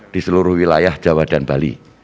di seluruh wilayah jawa dan bali